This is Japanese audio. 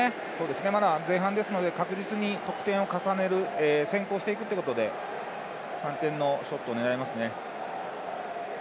まだ前半ですので確実に得点を重ねる先行していくってことで３点のショットを狙いますね。